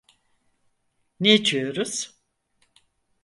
Ne içiyoruz?